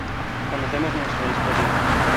Conocemos nuestra historia.